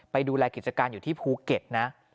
ดูแลกิจการอยู่ที่ภูเก็ตนะ